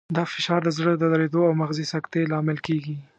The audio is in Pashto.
دا فشار د زړه د دریدو او مغزي سکتې لامل کېږي.